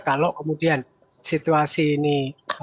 kalau kemudian situasi ini